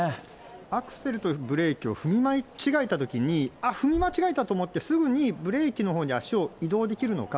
アクセルとブレーキを踏み間違えたときに、あっ、踏み間違えたと思って、すぐにブレーキのほうに足を移動できるのか。